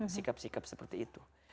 sikap sikap seperti itu